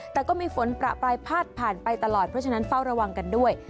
แต่ก็มีฝนประปรายพาดผ่านไปตลอดเพราะฉะนั้นเฝ้าระวังกันด้วย